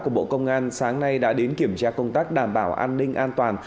của bộ công an sáng nay đã đến kiểm tra công tác đảm bảo an ninh an toàn